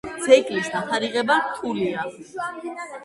ძეგლის დათარიღება რთულია.